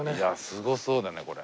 すごそうだねこれ。